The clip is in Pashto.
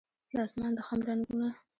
د اسمان د خم رنګونه